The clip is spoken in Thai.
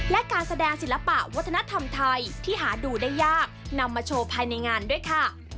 และการแสดงศิลปะวัฒนธรรมไทยที่หาดูได้ยากนำมาโชว์ภายในงานด้วยค่ะ